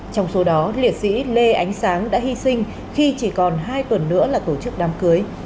trong số đó liệt sĩ lê ánh sáng đã hy sinh khi chỉ còn hai tuần nữa là tổ chức đám cưới